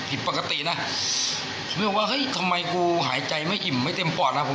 ผิดปกตินะเรื่องว่าเฮ้ยทำไมกูหายใจไม่อิ่มไม่เต็มปอดนะผม